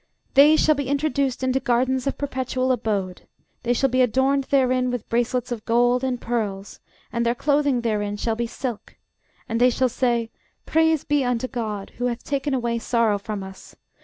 They shall be introduced into gardens of perpetual abode; they shall be adorned therein with bracelets of gold, and pearls, and their clothing therein shall be of silk: and they shall say, Praise be unto GOD, who hath taken away sorrow from us!